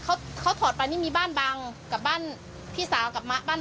ค่ะตรงนี้เขาถอดไปนี่มีบ้านบังกับบ้านพี่สาวกับบ้านมะไหม